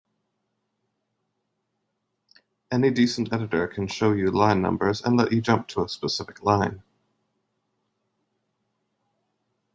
Any decent editor can show you line numbers and let you jump to a specific line.